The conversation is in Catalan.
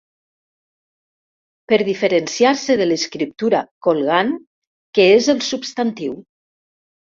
Per diferenciar-se de l'escriptura "colgant" que és el substantiu.